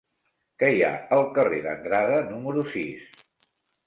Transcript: Què hi ha al carrer d'Andrade número sis?